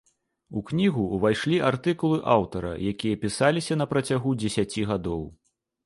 У кнігу ўвайшлі артыкулы аўтара, якія пісаліся на працягу дзесяці гадоў.